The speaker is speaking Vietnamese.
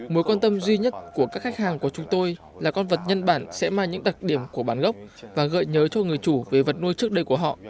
mối quan tâm duy nhất của các khách hàng của chúng tôi là con vật nhân bản sẽ mang những đặc điểm của bản gốc và gợi nhớ cho người chủ về vật nuôi trước đây của họ